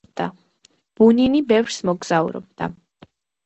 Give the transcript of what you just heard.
ბუნინი ბევრს მოგზაურობდა.